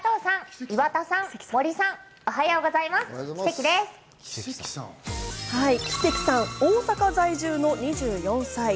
奇跡さん、大阪在住の２４歳。